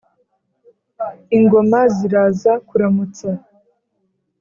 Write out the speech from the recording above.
ingoma ziraza kuramutsa.